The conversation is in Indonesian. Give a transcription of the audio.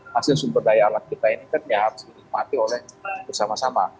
hasil sumber daya alam kita ini kan ya harus dinikmati oleh bersama sama